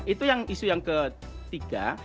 itu yang isu yang ketiga